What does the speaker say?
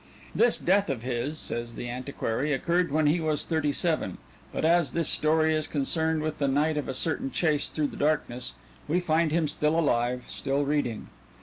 This death of his, says the antiquary, occurred when he was thirty seven, but as this story is concerned with the night of a certain chase through darkness, we find him still alive, still reading.